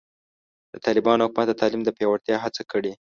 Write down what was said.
د طالبانو حکومت د تعلیم د پیاوړتیا هڅه کړې.